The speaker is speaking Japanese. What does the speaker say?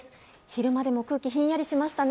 昼間でも空気ひんやりしました。